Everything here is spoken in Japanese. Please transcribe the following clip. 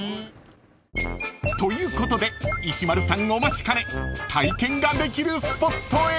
［ということで石丸さんお待ちかね体験ができるスポットへ］